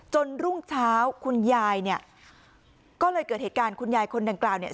รุ่งเช้าคุณยายเนี่ยก็เลยเกิดเหตุการณ์คุณยายคนดังกล่าวเนี่ย